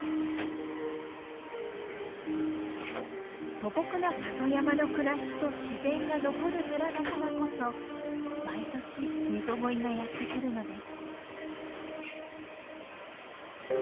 素朴な里山の暮らしと自然が残る村だからこそ毎年ミゾゴイがやって来るのです。